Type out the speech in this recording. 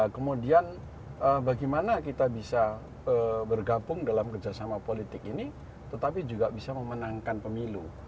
kemudian bagaimana kita bisa bergabung dalam kerjasama politik ini tetapi juga bisa memenangkan pemilu